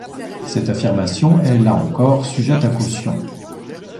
Cette affirmation est là encore sujette à caution.